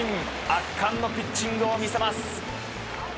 圧巻のピッチングを見せます。